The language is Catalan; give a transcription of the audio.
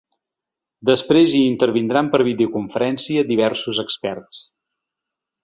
Després hi intervindran per videoconferència diversos experts.